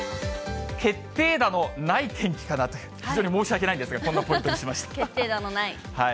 決定打のない天気かなと、非常に申し訳ないんですが、こんなポイ決定打のない。